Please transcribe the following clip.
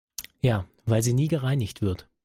Ja, weil sie nie gereinigt wird.